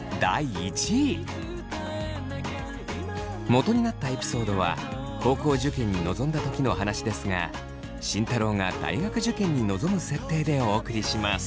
もとになったエピソードは高校受験に臨んだ時の話ですが慎太郎が大学受験に臨む設定でお送りします。